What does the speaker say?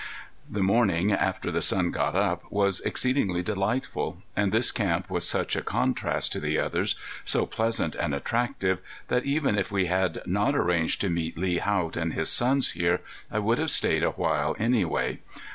The morning, after the sun got up, was exceedingly delightful. And this camp was such a contrast to the others, so pleasant and attractive, that even if we had not arranged to meet Lee Haught and his sons here I would have stayed a while anyway.